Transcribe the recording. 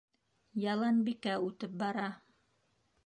Яланбикә үтеп бара.